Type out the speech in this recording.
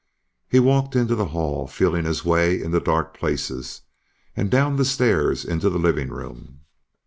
He walked into the hall, feeling his way in the dark places, and down the stairs into the living room.